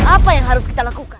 apa yang harus kita lakukan